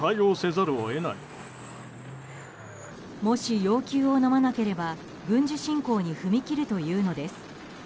もし、要求をのまなければ軍事侵攻に踏み切るというのです。